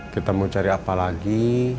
kita mau cari apa lagi